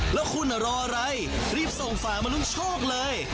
แล้วคุณรออะไรรีบส่งฝามาลุ้นโชคเลย